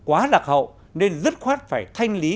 quá đặc hậu nên dứt khoát phải thanh lý